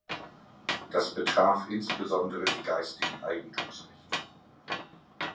Das betraf insbesondere die geistigen Eigentumsrechte.